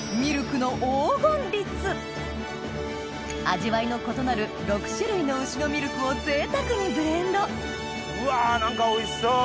味わいの異なる６種類の牛のミルクをぜいたくにブレンドうわ何かおいしそう！